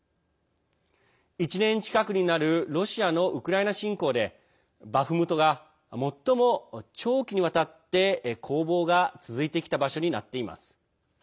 １年近くになるロシアのウクライナ侵攻でバフムトが最も長期にわたって攻防が続いてきた場所になっています。